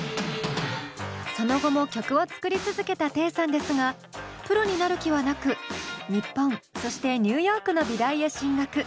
その後も曲を作り続けたテイさんですがプロになる気はなく日本そしてニューヨークの美大へ進学。